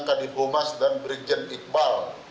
kadipomas dan brijen iqbal